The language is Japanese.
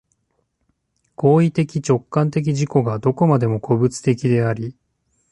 行為的直観的自己がどこまでも個物的であり、